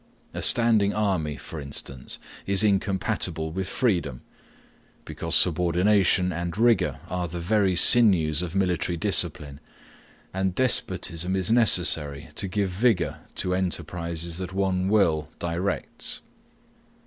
A standing army, for instance, is incompatible with freedom; because subordination and rigour are the very sinews of military discipline; and despotism is necessary to give vigour to enterprises that one will directs.